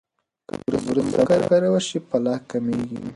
که برس سم وکارول شي، پلاک کمېږي.